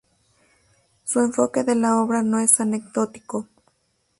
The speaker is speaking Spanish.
Su enfoque de la obra no es anecdótico.